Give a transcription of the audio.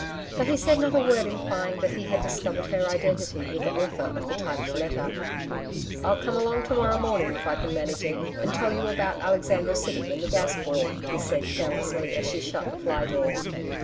But he said not a word implying that he had discovered her identity with the author of the typed letter. 'I'll come along to morrow morning if I can manage it, and tell you about Alexandra City and the Gas Bore,' he said carelessly as she shut the fly door.